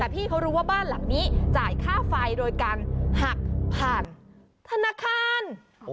แต่พี่เขารู้ว่าบ้านหลังนี้จ่ายค่าไฟโดยการหักผ่านธนาคาร